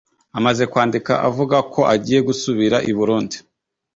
Amaze kwandika avuga ko agiye gusubira i Burundi